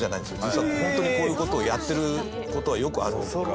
実は本当にこういう事をやってる事はよくあるというか。